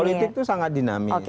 politik itu sangat dinamis